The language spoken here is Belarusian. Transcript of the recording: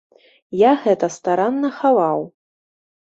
Я гэта старанна хаваў.